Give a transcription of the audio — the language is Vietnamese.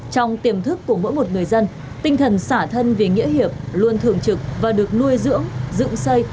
trong tiềm thức của mỗi một người dân tinh thần xả thân vì nghĩa hiệp luôn thường trực và được nuôi dưỡng dựng xây